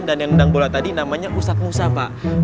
dan yang nendang bola tadi namanya ustad musa pak